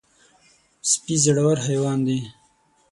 سپي زړور حیوان دی.